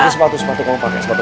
sepatu kamu pakai